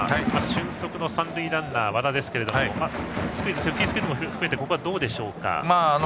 俊足の三塁ランナー、和田ですがセーフティースクイズも含めてここはどうでしょうか。